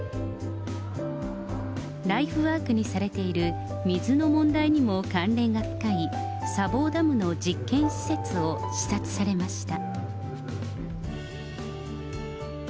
ライフワークにされている水の問題にも関連が深い砂防ダムの実験施設を視察されました。